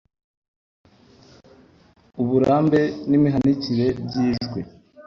uburambe n'imihanikire by'ijwi